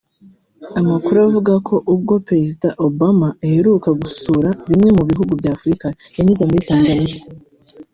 Amakuru avuga ko ubwo Perezida Obama aheruka gusura bimwe mu bihugu bya Afurika yanyuze muri Tanzania